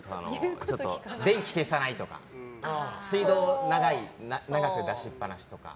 電気消さないとか水道長く出しっぱなしとか。